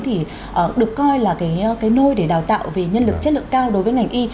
thì được coi là cái nôi để đào tạo về nhân lực chất lượng cao đối với ngành y